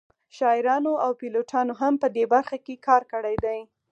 شاعرانو او پیلوټانو هم په دې برخه کې کار کړی دی